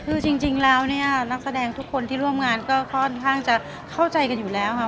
คือจริงแล้วเนี่ยนักแสดงทุกคนที่ร่วมงานก็ค่อนข้างจะเข้าใจกันอยู่แล้วค่ะ